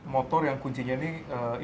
motor yang kuncinya ini